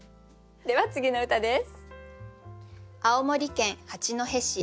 では次の歌です。